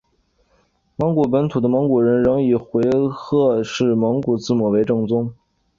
蒙古本土的蒙古人仍以回鹘式蒙古字母为正宗。